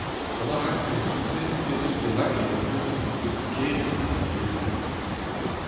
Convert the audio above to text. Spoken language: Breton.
Gant ar raktresoù-se ez eus bet lakaet e pleustr ur politikerezh sevenadurel.